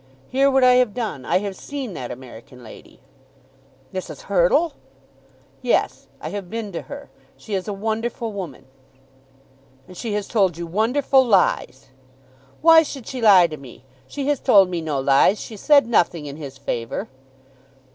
Hear what I have done. I have seen that American lady." "Mrs. Hurtle!" "Yes; I have been to her. She is a wonderful woman." "And she has told you wonderful lies." "Why should she lie to me? She has told me no lies. She said nothing in his favour."